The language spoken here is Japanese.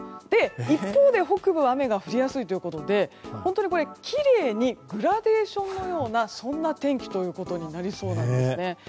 一方で北部は雨が降りやすいということできれいにグラデーションのようなそんな天気となりそうです。